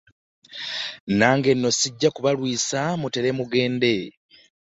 Nange nno ssijja kubalwisa mutere mugende.